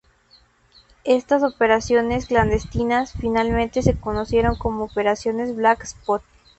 Estas operaciones clandestinas finalmente se conocieron como "Operación Black Spot".